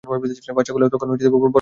বাচ্চাগুলো তখন বড় হয়ে যাবে।